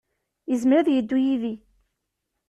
Yezmer ad yeddu yid-i.